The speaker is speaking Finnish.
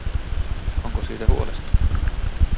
Onko syytä huolestua?